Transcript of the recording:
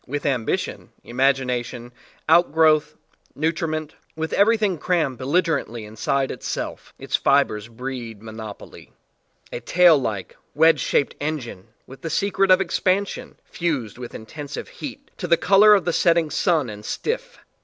With ambition, imagination, outgrowth, nutriment, with everything crammed belligerent ly inside itself, its fibres breed mon opoly a tail like, wedge shaped engine with the secret of expansion, fused with intensive heat to the color of the set ting sun and stiff.